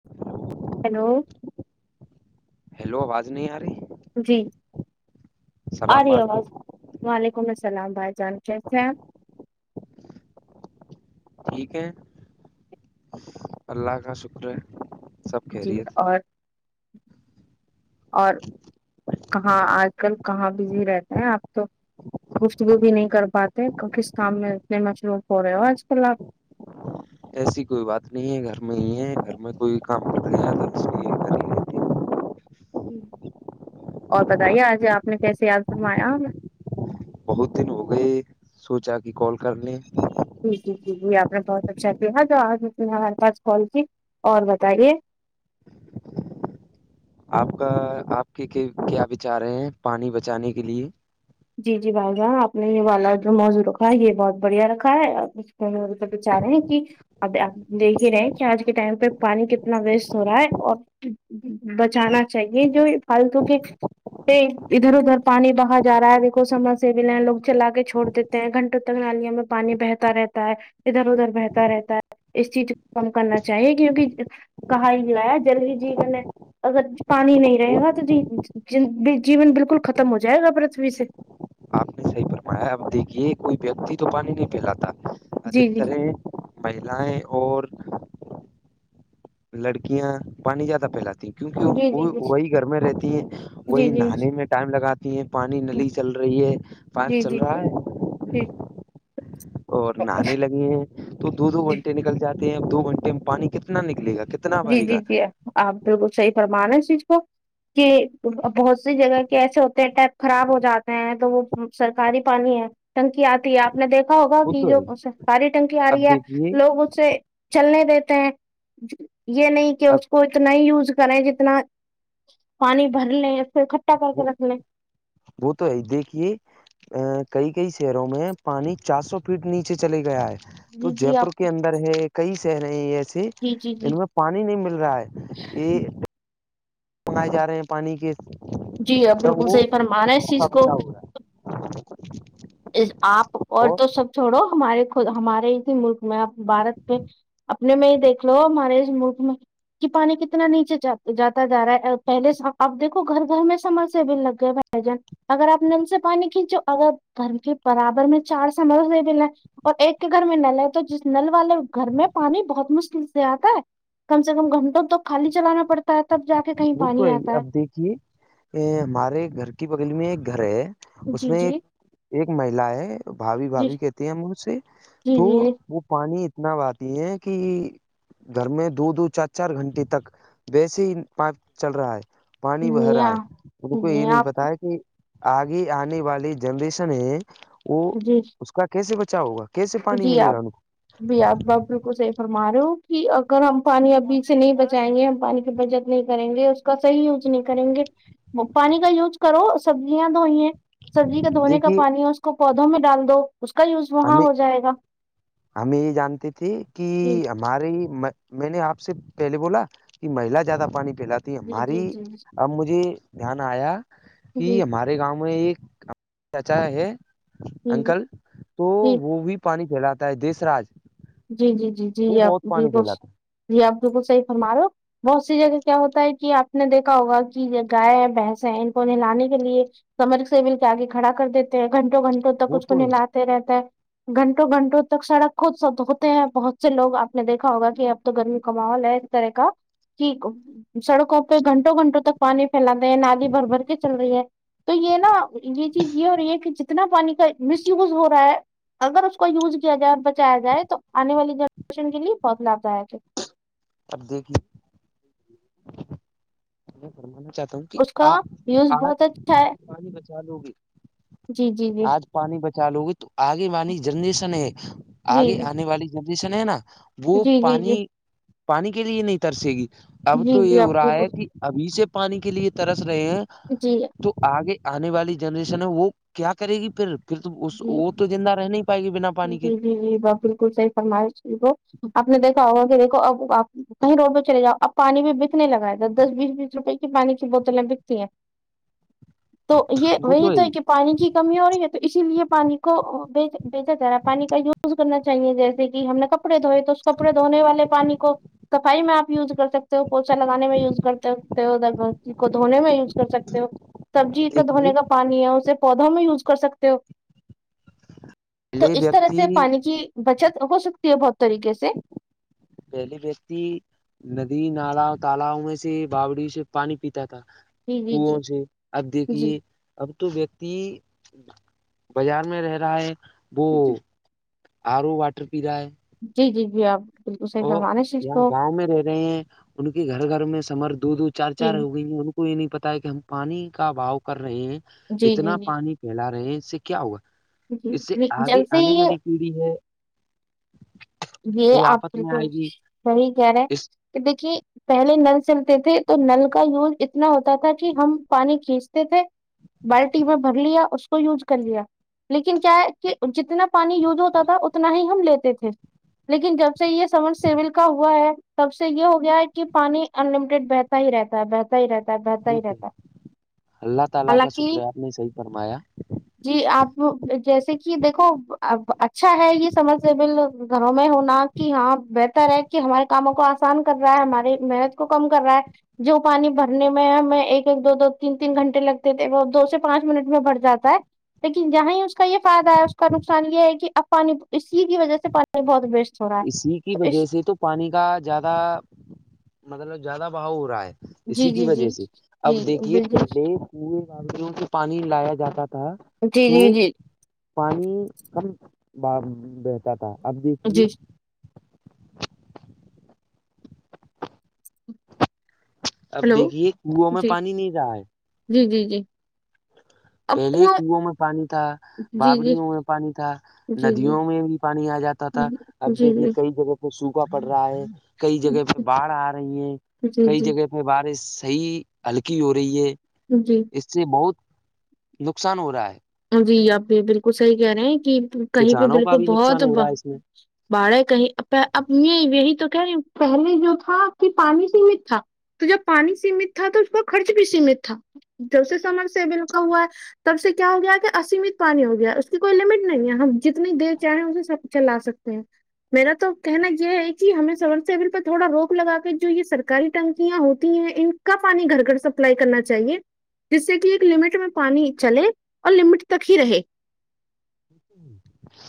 [inaudible] hello hello آواز نہیں آ رہی جی سلام آری آواز علیکم وعلیکم السلام بھائی جان کسے ہے آپ ٹھیک ہے اللہ کا شکر ہے سب جی خیریت اور اور کہاں آج کل کہاں بزی رہتے ہیں آپ لوگ گفتگو بھی نہیں کر پاتے تو کس کام میں اتنے مشروف ہو رہے ہو آج کل آپ ایسی کوئی بات نہیں ہے گھر میں ہی ہے گھر میں کوئی کام کر رہے ہیں نہیں کر ہی اور بتائیے آج آپ نے کیسے یاد فرمایا بہت دن ہو گئے سوچا کی کال کر لے جی جی جی جی آپ نے بہت اچھا کیا جو آ نے ہمارے پاس کال کی اور بتائیے آپ کا آپ کے کیا وچار ہیں پانی بچانے کے لیے جی جی بھائی جان آپ نے یہ والا جو موضوع رکھا ہے یہ بہت بڑھیا رکھا ہے تو تو ب [unintelligible] چاہانے ن کہ اب آپ دیکھ ہی رہے ہیں کہ آج کے ٹائم پہ پانی کتنا ویسٹ ہو رہا ہے اور بچانا چاہیے جو فالتو کے سے ادھر ادھر پانی بہا جا دیکھو سمر سے مل ہیں لوگ چلا کے چھوڑ دیتے ہیں گھنٹوں تک نالیوں میں پانی بہتا رہتا ہے ادھر ادھر بہتا رہتا ہے اس چیز کو کم کرنا چاہیے کیونکہ کہا ہی گ آیا جلدی جیون نے اگر پانی نہیں رہے وہ گا تو ج جیون بالکل ختم ہو جائے گا پرتھوی سے آپ نے صحیح فرمایا اب دیکھیے کوئی ویکتی تو پانی نہیں پھیلاتا جی جی ادھکتر ہے ماہلائیں اور لڑکیاں پانی زیادہ پھیلاتی ہیں جی کیونکہ جی وہ جی وہی گھر میں رہتی ہیں جی وہی جی نہانے میں ٹائم لگاتی ہیں پانی جی نلی چل رہی ہے پائپ جی چل رہا ہے جی اور نہانے لگے ہیں تو دو دو جی گھنٹے نکل جاتے ہیں دو گھنٹے میں پانی کتنا نکلے گا کتنا جی بہے جی گا جی آپ بالکل صحیح فرمارے اس چیز کو کہ بہت سی جگہ کے ایسے ہوتے ہیں ٹیپ خراب ہو جاتے ہیں تو وہ سرکاری پانی ہے ٹنکی آتی ہے آپ نے دیکھا ہوگا وہ کہ تو جو ہے سرکاری ٹنکی آ رہی اب ہے دیکھیے لوگ اس سے چلنے دیتے ہیں یہ نہیں کہ اب اس کو اتنا ہی یوز کریں جتنا پانی بھر لیں اس سے اکٹھا کر وہ کے رکھ لیں وہ تو ہے ہی دیکھئے ا کئی کئی شہروں میں پانی چار سو فٹ نیچے چلے گیا ہے تو جی جے جی آپ پور کے اندر ہے کئی شہرے ہے ایسے جی جی جی جن میں پانی نہیں مل رہا ہے یہ بنائے جا رہے ہیں پانی کے جی اب بالکل جب وہ صحیح فرما ر ہے اس کا چیز کو بچا ہو رہا ہے آپ اور تو سب چھوڑو ہمارے خود ہمارے ہی ملک میں آپ بھارت پہ اپنے میں ہی دیکھ لو ہمارے اس ملک میں کہ پانی کتنا نیچے جاتا جا رہا ہے پہلے اب دیکھو گھر گھر میں سمر سے بل لگ بھائی جان اگر آپ نل سے پانی کھینچو اگر گھرم کے برابر میں چار سمرس دے دین اور ایک کے گھر میں نل ہے تو جس نل والے گھر میں پانی بہت مشکل سے آتا ہے کم سے کم گھٹوں تو خالی چلانا پڑتا ت تب جا کے کہی وہ تو ہے اب دیکھیے ا ہمارے گھر کی بغل میں ایک گھر ہے اس جی میں ایک جی ایک مہیلا ہے بھابھی جی بھابھی کہتے ہیں ہم اسے تو جی وہ پانی اتنا بہاتی ہے کی گھر میں دو دو چار چار گھنٹے تک وسے ہی پائپ چل رہا ہے پانی بہ رہا ہے ان کو یہ جی نہیں آپ پتا ہے کہ آگے آنے والی جنریشن ہے وہ جی اس کا کیسے بچاؤ ہوگا کیسے پانی جی ملے آپ گا ان کو بھی آپ آپ بالکل صحیح فرما رہے ہو کہ اگر ہم پانی ابھی سے نہیں بچائیں گے ہم پانی کی بجت نہیں کریں گے اس کا صحی یوز نہیں کریں گے پانی کا یوز کرو سبزیاں دھوئیں سبزی کا دھونے کا دیکھیے پانی ہے اس کو پودوں میں ڈال دو اس کا یوز وہاں ہمیں ہو جائے گا ہم یہ جانتی تھی کہ جی ہماری میں نے آپ سے پہلے بولا کہ مہیلا زیادہ پانی پھلت تی ہے جی جی ہماری جی جی اب مجھے دھیان آیا کہ جی ہمارے گاؤں میں ایک چاچا ہے جی انکل تو جی وہ وہ بھی پانی پھیلاتا ہے دیس رج جی جی جی جی آپ بالکل پھیلاتا ہے جی آپ بالکل صحیح فرمارہے بہت سی جگہ کیا ہوتا ہے کہ آپ نے دیکھا ہوگا کہ گائے بنس ہیں ان کو نہلانے کے لیے سمر سے مل کےاگے کھڑا کر دیتے گھنٹوں گھنٹوں تک وہ اس کو تو ہے نلاتے رہتا ہے گھنٹوں گھنٹوں تک سڑک خود ہوتے ہیں بہت سے لوگ آپ نے دیکھا ہوگا کہ اب تو گرمی کا ماحول ہے اس طرح کا کہ سڑکوں پہ گھنٹوں گھنٹوں تک پانی پھیلاتے ہیں نالی بھر بھر کے چل رہی ہے تو یہ نا یہ چیز یہ ہورہی ہے کے اتنا پانی کا مس یوز ہو رہا ہے اگر اس کو یوز کیا جائے بچے بچایا جائے تو آنے والی جنریشن کے لیے بہت لابھ دائک ہے اب دیکھنا میں فرمانا چاہتا ہوں کہ اس کا آ یوز آج بہت اچھا ہے آج پانی بچا لو گے جی جی جی آج پانی بچا لو گے تو آگے والی جنریشن ہے جی آگے آنے والی جنریشن ہے نا وہ جی جی جی پانی پانی کے لیے نہیں ترسے گی اب جی تو یہ جی آپ ہو رہا ہے بالکل کہ ابھی سے پانی کے لیے ترس رہے ہیں جی تو آگے آنے والی جنریشن ہے وہ کیا کرے گی پھر پھر تو جی وہ تو زنده رہ نہیں پائے گی بینا جی جی جی بس بالکل صحیح فرمائش وہ آپ نے دیکھا ہوگا کہ دیکھو اب آپ کہیں روڈ پہ میں چلےجاؤ اب پانی بھی بکنے لگا ہے دس دس بیس بیس روپئے کی پانی کی بوتلیں بکتی ہیں تو یہ وہی تو ہے کہ پانی کی کمی ہو رہی ہے تو اسی لیے پانی کو بے ذرا پانی کا یوز کرنا چاہیے جیسے کہ ہم نے کب کپڑے دھوئے تو اس کپڑے دھونے والے پانی کو صفائی میں آپ یوز کر سکتے تو پوچا لگانے میں یوز کرتے ہوتے ا کو دھونے میں یوز کر کر سکتے ہو سبزی کا دیکھیے دھونے کا پانی ہے اسے پودوں میں یوز کر سکتے ہو تو پہلے اس طرح سے ویکتی پانی کی بچت ہو سکتی ہے بہت طریقے سے پہلے ویکتی ندی نالا تالاب میں سے باوڑی سے پانی پیتا تھا جی جی کنوے جی سے اب دیکھیے جی اب تو ویکتی بازار میں رہ رہا ہے وہ آر او واٹر پی رہا ہے جی جی جی آپ بالکل صحیح او فرمانے چیز کو گاؤں میں رہ رہے ہیں ان کے گھر گھر میں سمر دو دو چار جی چار ہو گئی ہیں ان یہ نہیں پتا ہے کہ ہم پانی کا بھاؤ کر رہے ہیں جی جی اتنا جی پانی پھیلا رہے ہیں اس سے کیا ہوگا اس سے جی آگے جب سے آنے یہ والی پیڑھی ہے یہ وہ آپ آپت میں بالکل آئے گی صحیح کہہ رہے ہیں اس کہ دیکھیے پہلے نل چلتے تھے تو نل کا یوز اتنا ہوتا تھا کہ ہم پانی کھینچتے تھے بالٹی میں بھر لیا اس کو یوز کر لیا لیکن کیا ہے کہ جتنا پانی یوز ہوتا تھا اتنا ہی ہم لیتے تھے لیکن جب سے یہ سمر سبل کا ہوا ہے تب سے یہ ہو گیا ہے کہ پانی ان لمٹیڈ بہتا ہی رہتا ہے بہتا بہتا ہی رہتابہتا وہ ہی تو رہتا اللہ تعالی کا حالانکہ شکر ہے آپ نے صحیح فرمایا جی آپ جیسے کہ دیکھو اچھا ہے یہ سمر سے بل گھروں میں ہونا کہ ہاں بہتر ہے کہ ہمارے کاموں کو آسان کر رہا ہے ہماری محنت کو کم کر رہا ہے جو پانی بھرنے میں ہمیں ایک ایک دو دو تین تین گھنٹے لگتے تھے وہ دو سے پانچ منٹ میں بھر جاتا ہے لیکن جہاں ہی اس کا یہ فائدہ ہے اس کا نقصان یہ ہے کہ اب پانی اسی کی وجہ سے پانی بہت ویسٹ ہو رہا ہے اسی کی تو اس وجہ سے تو پانی کا زیادہ مطلب زیادہ بہاؤ ہو رہا ہے جی اسی کی جی جی وجہ سے اب جی دیکھیے بالکل پہلے کنویں ندیوں سے پانی لایا جاتا تھا جی جی تو جی پانی کم بار بہتا تھا اب دیکھ لیے جی اب ہلو دیکھیے کنواںوں میں جی پانی نہیں رہا ہے جی جی جی اب پہلے کنواں کنووں میں پانی تھا جی جی بابڑیوں میں پانی تھا جی جی ندیوں میں بھی پانی آ جاتا تھا جی اب جی دیکھیے کئی جگہ کو سوکھا پڑ رہا ہے کئی جگہ پہ باڑھ آ رہی ہے جی کئی جی جگہ پہ میں بارش صحیح ہلکی ہو رہی ہے جی اس سے بہت نقصان ہو رہا ہے جی آپ یہ بالکل صحیح کہہ رہے ہیں کہ کہیں پہ کسانوں کا بالکل بھی بہت نقصان ہو رہا ہے اس میں بڑے کہیں اب یہ یہی تو کہ رہی پہلے جو تھا کہ پانی سیمت تھا تو جب پانی سیمت تھا تو اس کا خرچ بھی سیمت تھا جب سے سمر سے بل کا ہوا ہے تب سے کیا ہو گیا کہ آسمیت پانی ہو گیا ہے اس کی کوئی لمٹ نہیں ہے ہم جتنی دیر چاہیں ہیں اسے سب چلا سکتے ہیں میرا تو کہنا یہ ہے کہ ہمیں سمر سبل پر تھوڑا روک لگا کے جو یہ سرکاری ٹنگ کیاں ہوتی ہیں ان کا پانی گھر گھر سپلائی کرنا چاہیے جس سے کہ ایک لمٹ میں پانی چلے اور لمٹ تک ہی رہے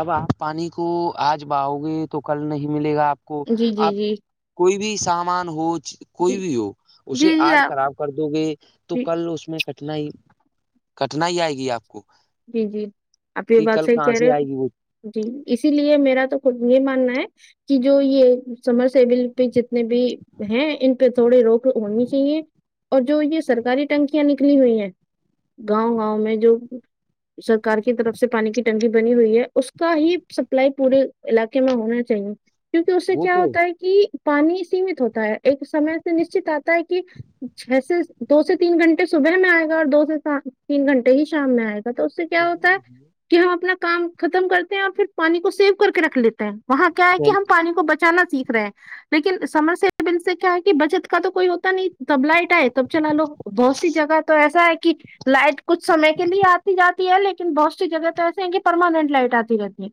اب آپ پانی کو آج باؤ گے تو کل نہیں ملے گا آپ کو جی جی آپ جی کوئی بھی سامان ہو کوئی جی بھی ہو جی اسے جی آج آپ خراب کر دو گے تو جی کل اس میں کٹنائی کٹنائی آئے گی آپ کو جی جی آپ یہ کہ بات کل صحیح کہاں کہہ رہے سے آئے گی وہ ہو جی اسی لیے میرا تو خود یہ ماننا ہے کہ جو یہ سمجھ سبل پ جتنے بھی ہیں ان پہ تھوڑی روک ہونی چاہیے اور جو یہ سرکاری ٹنکیاں نکلی ہوئی ہیں گاؤں گاؤں میں جو سرکار کی طرف سے پانی کی ٹنکی بنی ہوئی ہے اس کا ہی سپلائی پورے علاقے میں ہونا چاہیے کیونکہ اس سے وہ کیا تو ہوتا ہے کہ پانی سیمت ہوتا ہے ایک سمے سے نشچت آتا ہے کہ چھ سے دو سے تین گھنٹے صبح میں آئے گا اور دو سے تین گھنٹے ہی شام میں آئے گا تو اس سے کیا ہوتا ہے کہ ہم اپنا کام ختم کرتے ہیں اور پھر پانی کو سیو کر کے رکھ لیتے ہیں وہاں کیا ہے کہ ہم پانی کو بچ چا سیکھ رہے ہیں لیکن سمر سبل سے کیا ہے کہ بچت کا تو کوئی ہوتا نہیں تبلٹ ہے تب چلا لو بہت سی جگہ تو ایسا ہے کہ لائٹ کچھ سمے کے لیے آ جاتی ہے لیکن بہت سی جگہ تو ایسے ہیں کہ پرماننٹ لائٹ آتی رہتی ہے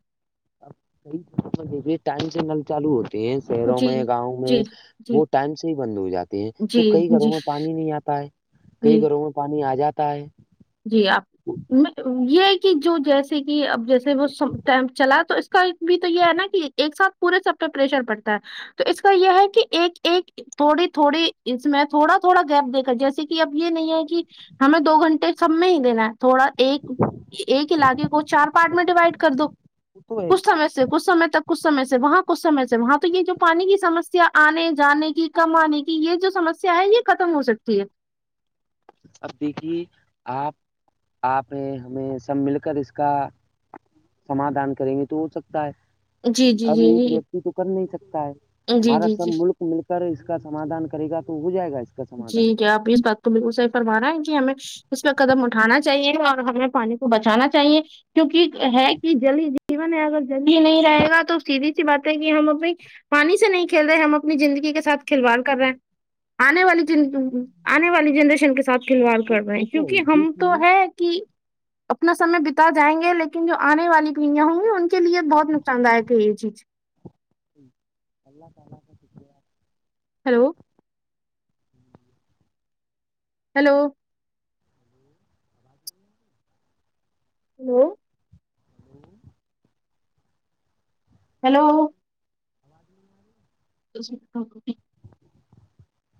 دیکھے ٹائم سگنل چالو ہوتے ہیں شہروں جی میں گاؤں میں جی جی وہ ٹائم سے ہی بند ہو جاتے ہیں تو جی کئی جی گھروں میں پانی نہیں آتا ہے کئی جی گھروں میں پانی آ جاتا ہے جی آپ میں یہ کہ جو جیسے کہ اب جیسے وہ ٹائم چلا تو اس کا بھی تو یہ ہے نا کہ ایک ساتھ پورے سب پہ پریشر پڑتا ہے تو اس کا یہ ہے کہ ایک ایک تھوڑی تھوڑی اس میں تھوڑا تھوڑا گیپ دیک کرا جیسے کہ اب یہ نہیں ہے کہ ہمیں دو گھنٹے سب میں ہی دینا ہے تھوڑا ایک ایک علاقے کو چار پارٹ میں ڈیوائڈ کر دو تو ہے کچھ سمے سے کچھ سمے تک کچھ سمے سے وہاں کچھ سے سے وہاں تو یہ جو پانی کی سمسیا آنے جانے کی کم آنے کی یہ جو سمسیا سیا یہ ختم ہو سکتی ہے اب دیکھیے آپ آپ ہیں ہمیں سب مل کر اس کا سمادھان کریں گے تو ہو سکتا ہے جی جی اب جی ایک جی ویکتی تو کر نہیں سکتا ہے جی ہمارا جی سب جی ملک مل کر اس کا سمادھان کرے گا تو ہو جائے گا اس کا جی سمادھان آپ اس بات کو بالکل صحیح فرما رہے ہیں جی ہمیں اس پہ قدم اٹھانا چاہیے اور ہمیں پانی کو بچانا چاہیے کیونکہ ہے کہ جل ہے جیون ہے اگر جل ہی نہیں رہے گا تو سیدھی سی بات ہے کہ ہم اپنی پانی سے نہیں کھیل رہے ہم اپنی زندگی کے ساتھ کھلواڑ کر رہے ہیں آنے والی جن آنے والی جنریشن کے ساتھ کھلواڑ وہ کر رہے ہیں وہ تو ہے کیونکہ ہم تو دیکھیے ہے کہ اپنا سمے بتا جائیں گے لیکن جو آنے والی پڑئیاں ہوں گی ان کے لیے بہت نقصان دائک ہے یہ چیز [inaudible] ہیلو ہیلو ہیلو ہیلو چپوالی [unintelligible]